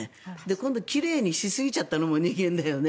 今度、奇麗にしすぎちゃったのも人間だよね。